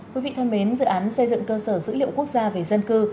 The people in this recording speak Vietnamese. quý vị thân mến dự án xây dựng cơ sở dữ liệu quốc gia về dân cư